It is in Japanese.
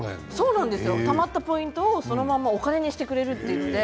たまったポイントをそのままお金にしてくれるというんです。